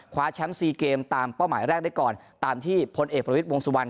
แชมป์ซีเกมตามเป้าหมายแรกได้ก่อนตามที่พลเอกประวิทย์วงสุวรรณ